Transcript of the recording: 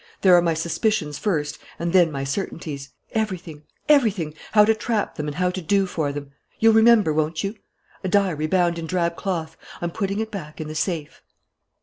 There are my suspicions first and then my certainties.... Everything, everything ... how to trap them and how to do for them.... You'll remember, won't you? A diary bound in drab cloth.... I'm putting it back in the safe."